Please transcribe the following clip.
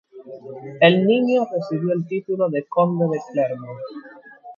El niño recibió el título de conde de Clermont.